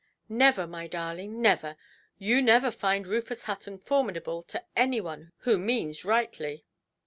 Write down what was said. "Never, my darling, never. You never find Rufus Hutton formidable to any one who means rightly".